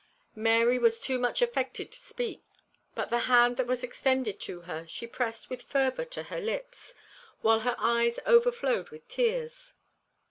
Mary was too much affected to speak; but the hand that was extended to her she pressed with fervour to her lips, while her eyes overflowed with tears.